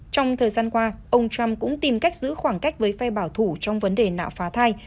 trong thời gian qua ông trump cũng tìm cách giữ khoảng cách với phe bảo thủ trong vấn đề nạo phá thai